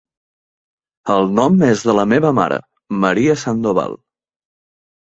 El nom és de la meva mare, Maria Sandoval.